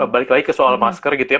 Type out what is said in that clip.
balik lagi ke soal masker gitu ya